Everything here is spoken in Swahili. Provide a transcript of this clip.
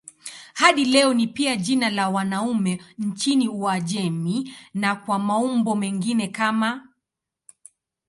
Hadi leo ni pia jina la wanaume nchini Uajemi na kwa maumbo mengine kama